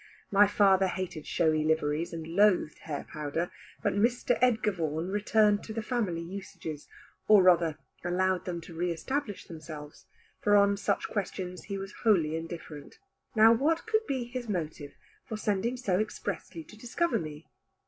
My father hated showy liveries and loathed hair powder, but Mr. Edgar Vaughan returned to the family usages, or rather allowed them to re establish themselves; for on such questions he was wholly indifferent. Now what could be his motive for sending so expressly to discover me?